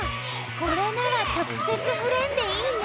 これなら直接触れんでいいね。